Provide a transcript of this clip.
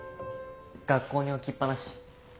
学校に置きっぱなし。